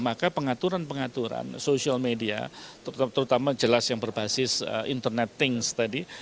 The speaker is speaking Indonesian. maka pengaturan pengaturan social media terutama jelas yang berbasis internet things tadi